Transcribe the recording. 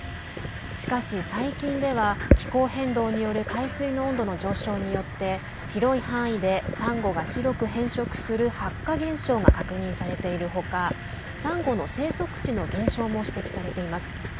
しかし、最近では気候変動による海水の温度の上昇によって広い範囲でさんごが白く変色する白化現象が確認されている他さんごの生息地の減少も指摘されています。